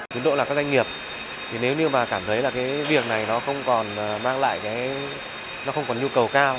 chúng tôi là các doanh nghiệp nếu như cảm thấy việc này không còn nhu cầu cao